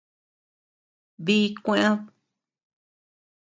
Dí kúëd.